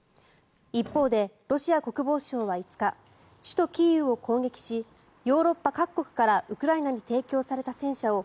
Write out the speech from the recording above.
一方でロシア国防省は５日首都キーウを攻撃しヨーロッパ各国からウクライナに提供された戦車を